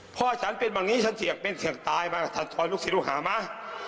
พ่อฉันเป็นแบบนี้ฉันเฉีกเป็นเสียงตายมาทันทอยลูกศิษย์ลูกหามา